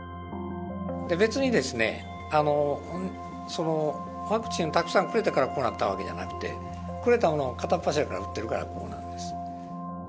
別にですね、ワクチンをたくさんくれたからこうなったわけじゃなくて、くれたものを片っ端から打ってるからこうなるんです。